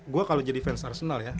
gue kalau jadi fans arsenal ya